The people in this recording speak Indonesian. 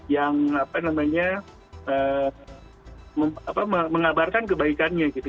yang mengabarkan kebaikannya gitu